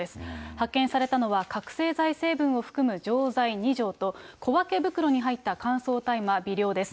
発見されたのは、覚醒剤成分を含む錠剤２錠と、小分け袋に入った乾燥大麻微量です。